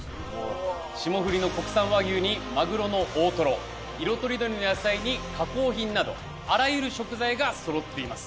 霜降りの国産和牛にまぐろの大トロ色とりどりの野菜に加工品などあらゆる食材がそろっています